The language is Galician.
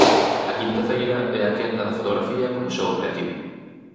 A quinta feira é a quenda da fotografía como xogo creativo.